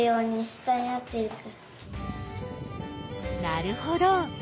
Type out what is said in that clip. なるほど。